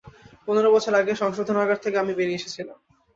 পনেরো বছর আগে সংশোধনাগার থেকে আমি বেরিয়ে এসেছিলাম।